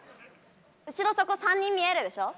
後ろそこ３人見えるでしょ？